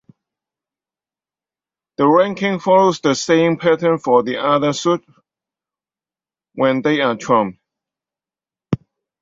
The ranking follows the same pattern for the other suits when they are trump.